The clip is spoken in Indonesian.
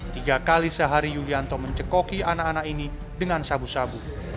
tiga kali sehari yulianto mencekoki anak anak ini dengan sabu sabu